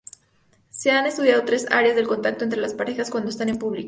Se han estudiado tres áreas del contacto entre las parejas cuando están en público.